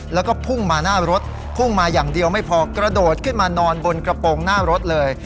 แล้วก็พุ่งมาหน้ารถพุ่งมาอย่างเดียวไม่พอกระโดดขึ้นมานอนบนกระโปรงหน้ารถเลย